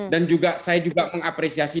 dan juga saya juga mengapresiasi